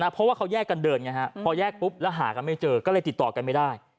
เพราะว่าเขาแยกกันเดินไงฮะพอแยกปุ๊บแล้วหากันไม่เจอก็เลยติดต่อกันไม่ได้